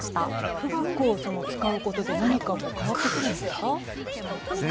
「富岳」を使うことで何か変わってくるんですか？